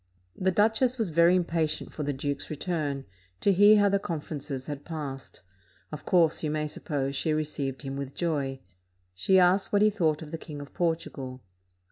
The duchess was very impatient for the duke's return, to hear how the conferences had passed; of course, you may suppose, she received him with joy. She asked what he thought of the King of Portugal.